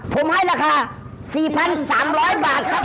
ผมให้ราคา๔๓๐๐บาทครับ